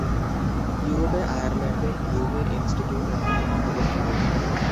ইউরোপে আয়ারল্যান্ডের লিউভেন ইনস্টিটিউট এখন এখানে অবস্থিত।